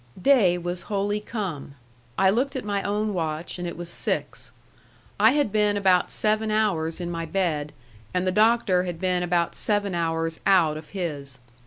Day was wholly come. I looked at my own watch, and it was six. I had been about seven hours in my bed, and the Doctor had been about seven hours out of his.